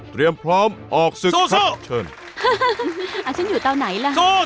เตรียมพร้อมออกศึกภาพเชิญ